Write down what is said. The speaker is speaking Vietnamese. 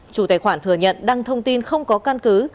chủ tài khoản thừa nhận đăng thông tin không có căn cứ